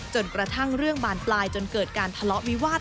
จนกระทั่งเรื่องบานปลายจนเกิดการทะเลาะวิวาส